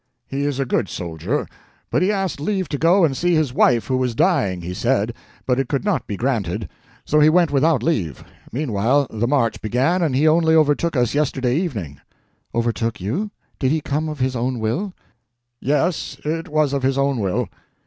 "He is a good soldier, but he asked leave to go and see his wife who was dying, he said, but it could not be granted; so he went without leave. Meanwhile the march began, and he only overtook us yesterday evening." "Overtook you? Did he come of his own will?" "Yes, it was of his own will."